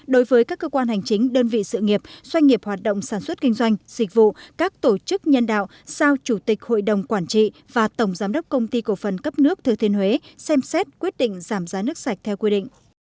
đối với các cơ quan hành chính đơn vị sự nghiệp doanh nghiệp hoạt động sản xuất kinh doanh dịch vụ các tổ chức nhân đạo sao chủ tịch hội đồng quản trị và tổng giám đốc công ty cổ phần cấp nước thừa thiên huế xem xét quyết định giảm giá nước sạch theo quy định